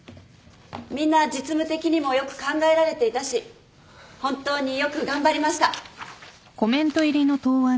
みんな実務的にもよく考えられていたし本当によく頑張りました。